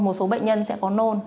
một số bệnh nhân sẽ có nôn